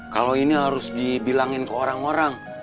kalau ini harus dibilangin ke orang orang